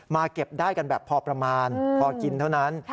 เก็บได้กันแบบพอประมาณพอกินเท่านั้น